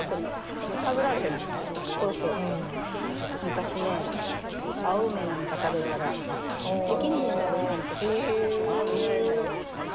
昔ね青梅なんか食べたら赤痢になるなんて言われたよ。